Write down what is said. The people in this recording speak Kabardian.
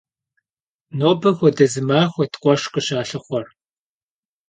Нобэ хуэдэ зы махуэт къуэш къыщалъыхъуэр.